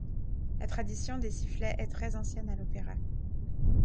La tradition des sifflets est très ancienne à l'opéra.